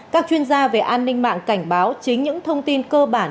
các chuyên gia về an ninh mạng cảnh báo chính những thông tin cơ bản